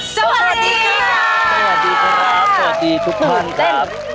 สวัสดีครับสวัสดีทุกคนครับ